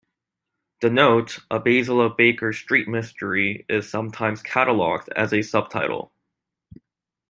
The note "A Basil of Baker Street mystery" is sometimes cataloged as a subtitle.